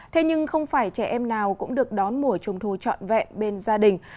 thế nhưng không phải trẻ em nào cũng được đón mùa trung thu trọn vẹn bên gia đình